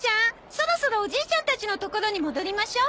そろそろおじいちゃんたちのところに戻りましょう。